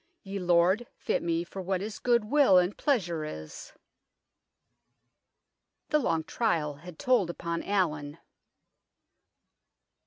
Ye Lord fitt mee for what his good will and pleasure is." The long trial had told upon Allin.